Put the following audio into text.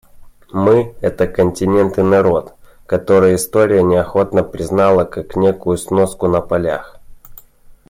Мы — это континент и народ, которые история неохотно признала как некую сноску на полях.